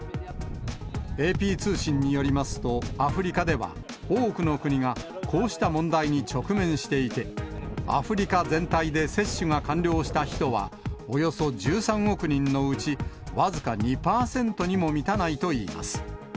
ＡＰ通信によりますと、アフリカでは、多くの国がこうした問題に直面していて、アフリカ全体で接種が完了した人は、およそ１３億人のうち、僅か２％にも満たないといいます。